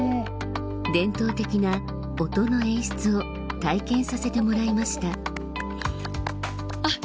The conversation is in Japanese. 伝統的な音の演出を体験させてもらいましたあっ